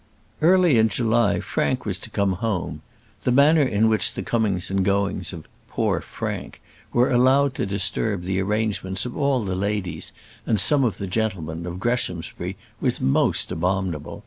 Early in July, Frank was to come home. The manner in which the comings and goings of "poor Frank" were allowed to disturb the arrangements of all the ladies, and some of the gentlemen, of Greshamsbury was most abominable.